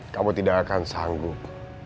kamu tidak akan sanggup